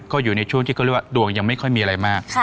ก็อยู่ในช่วงที่เขาเรียกว่าดวงยังไม่ค่อยมีอะไรมาก